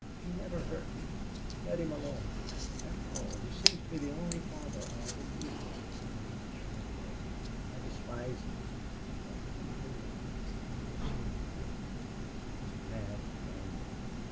He never hurt me. Let him alone. After all, he seems to be the only father I ever knew. Oh, I don't care for him. I despise him.... But let him live.... He will soon forget me. He is mad to gamble.